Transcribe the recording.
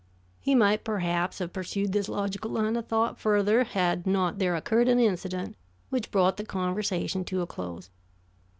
He might perhaps have pursued this logical line of thought further, had not there occurred an incident which brought the conversation to a close.